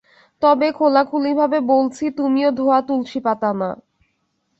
তবে খোলাখুলিভাবে বলছি, তুমিও ধোয়া তুলসীপাতা না।